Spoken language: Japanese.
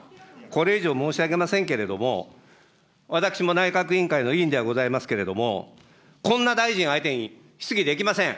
これ以上申し上げませんけれども、私も内閣委員会の委員ではございますけれども、こんな大臣を相手に質疑できません。